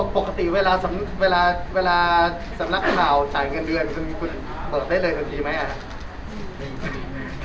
ปกติเวลาสำนักข่าวจ่ายเงินเดือนคุณเปิดได้เลยทันทีไหมครับ